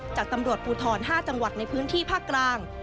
จากตำรวจภูทร๕จังหวัดในพื้นที่ภาคกลาง